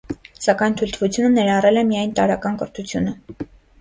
Սակայն թույլտվությունը ներառել է միայն տարրական կրթությունը։